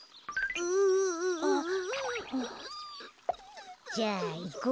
うう。じゃあいこうか。